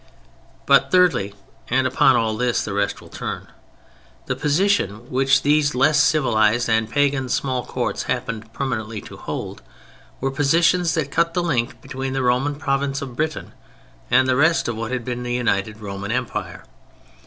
But, thirdly (and upon this all the rest will turn), the _position which these less civilized and pagan small courts happened permanently to hold, were positions that cut the link between the Roman province of Britain and the rest of what had been the united Roman Empire_.